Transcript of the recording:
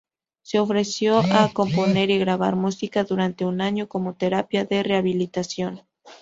Se ofreció a componer y grabar música durante un año como terapia de rehabilitación.